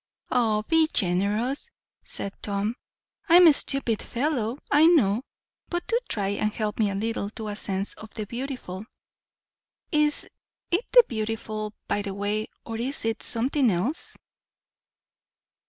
"Ah, be generous!" said Tom. "I'm a stupid fellow, I know; but do try and help me a little to a sense of the beautiful. Is it the beautiful, by the way, or is it something else?"